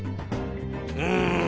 うん。